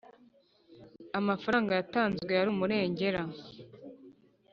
amafaranga yatanzwe yari umurengera